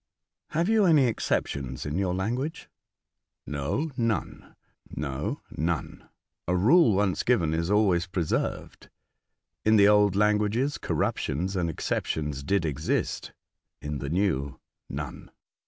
" Have you any exceptions in your lan guage r A Martian Instructor. 117 " No, none ; a rule once given is always preserved. In the old languages corruptions and exceptions did exist, in the new none."